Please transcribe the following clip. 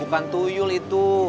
bukan tuyul itu